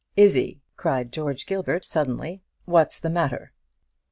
"Izzie," cried George Gilbert suddenly, "what's the matter?"